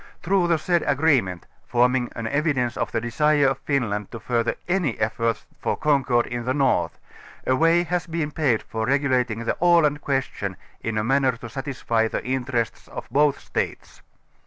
Through the said 12 ag reenient, t'orming an evidence of tlie desire of Finland to further any efforts for concord in the North, a way has been paved for regulating the Aland question in a manner to satisfy the interests of both States.